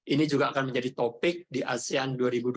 ini juga akan menjadi topik di asean dua ribu dua puluh